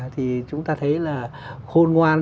thì chúng ta thấy là khôn ngoan